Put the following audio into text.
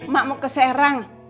mak mau ke serang